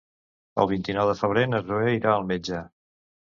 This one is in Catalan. El vint-i-nou de febrer na Zoè irà al metge.